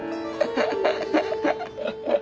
ハハハハ。